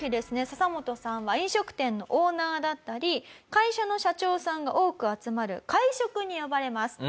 ササモトさんは飲食店のオーナーだったり会社の社長さんが多く集まる会食に呼ばれます。